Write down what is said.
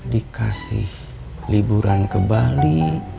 dikasih liburan ke bali